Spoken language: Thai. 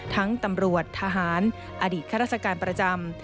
ทั้งตำรวจทหารอดีตคัตรรัศกาลประจำ